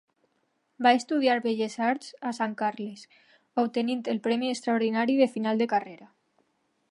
Va estudiar Belles Arts a Sant Carles, obtenint el premi extraordinari de final de carrera.